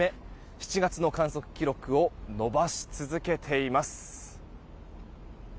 ７月の観測記録を伸ばし続けています。